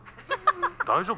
大丈夫？